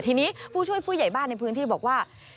ทีนี้ผู้ช่วยผู้ใหญ่บ้านในพื้นที่บอกว่า